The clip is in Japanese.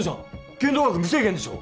限度額無制限でしょ。